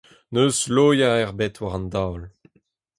N'eus loa ebet war an daol.